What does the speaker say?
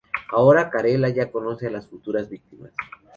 Ahora Carella ya conoce a las futuras víctimas.